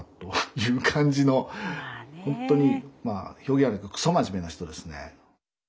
ほんとにまあ表現悪いけどくそ真面目な人ですね。